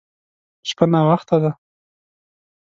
شپه ناوخته ده.